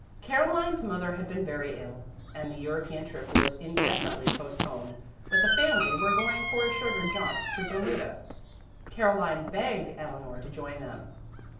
Caroline's mother had been very ill, and the European trip was indefinitely postponed, but the family were going for a shorter jaunt to Bermuda. Caroline begged Eleanor to join them.